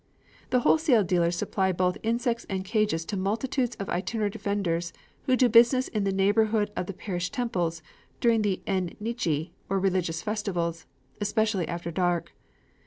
The wholesale dealers supply both insects and cages to multitudes of itinerant vendors who do business in the neighborhood of the parish temples during the en nichi, or religious festivals, especially after dark.